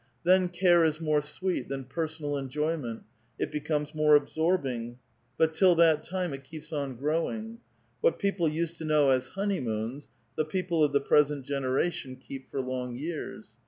Then care is more sweet than personal enjoy ment ; it becomes more absorbing, bnt till that time it keeps on growing. AVhat people used to know as honeymoons, the people of the present generation keep for long years.